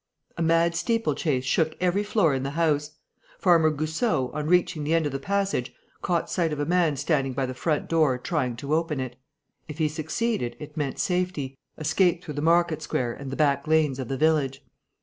A mad steeplechase shook every floor in the house. Farmer Goussot, on reaching the end of the passage, caught sight of a man standing by the front door trying to open it. If he succeeded, it meant safety, escape through the market square and the back lanes of the village.